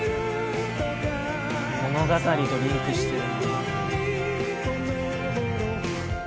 物語とリンクしてる。